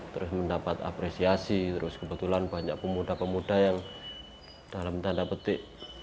terus mendapat apresiasi terus kebetulan banyak pemuda pemuda yang dalam tanda petik